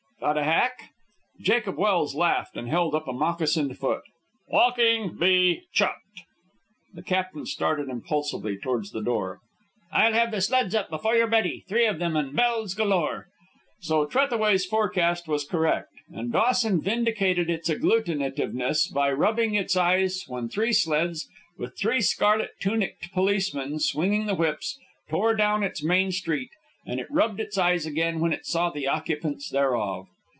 "Got a hack?" Jacob Welse laughed and held up a moccasined foot. "Walking be chucked!" The captain started impulsively towards the door. "I'll have the sleds up before you're ready. Three of them, and bells galore!" So Trethaway's forecast was correct, and Dawson vindicated its agglutinativeness by rubbing its eyes when three sleds, with three scarlet tuniced policemen swinging the whips, tore down its main street; and it rubbed its eyes again when it saw the occupants thereof.